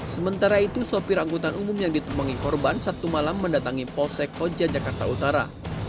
sementara itu sopir angkutan umum yang ditemani korban sabtu malam mendatangi polsek koja jakarta utara